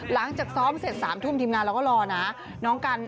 หลังจากซ้อมเสร็จ๓ทุ่มทีมงานเราก็รอนะ